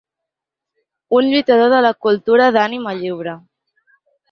Un lluitador de la cultura d’ànima lliure.